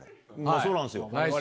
そうなんですよ。